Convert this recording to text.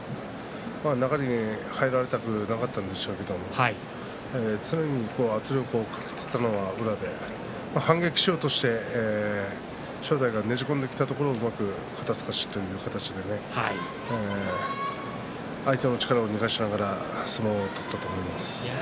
中に入られたくなかったんでしょうけど常に圧力をかけていたのは宇良で反撃しようとして正代がねじ込んできたところをうまく肩すかしという形でね相手の力を逃がしながら相撲を取ったと思います。